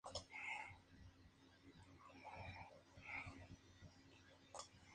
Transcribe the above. Ambos guardaban las distancias entre ellos hasta la batalla de Naboo.